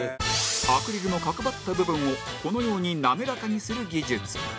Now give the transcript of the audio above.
アクリルの角ばった部分をこのように滑らかにする技術